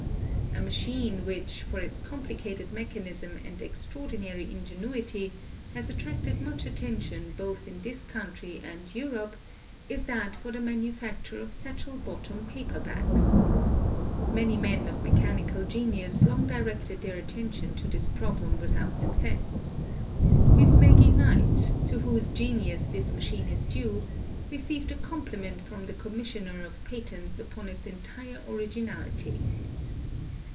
A machine which, for its complicated mechanism and extra ordinary ingenuity, has attracted much attention both in this country and Europe, is that for the manufacture of satchel bot tom paper bags. Many men of mechanical genius long directed their attention to this problem without success. Miss Maggie Knight, to whose genius this machine is due, received a com pliment from the Commissioner of Patents upon its entire origi nality.